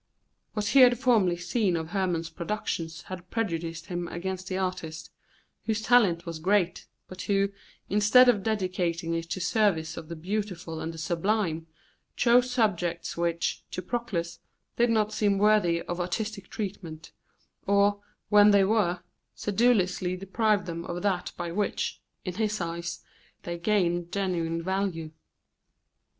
What he had formerly seen of Hermon's productions had prejudiced him against the artist, whose talent was great, but who, instead of dedicating it to the service of the beautiful and the sublime, chose subjects which, to Proclus, did not seem worthy of artistic treatment, or, when they were, sedulously deprived them of that by which, in his eyes, they gained genuine value.